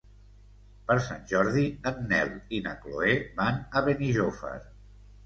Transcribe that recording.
Per Sant Jordi en Nel i na Chloé van a Benijòfar.